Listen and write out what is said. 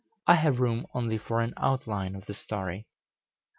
I have room only for an outline of the story.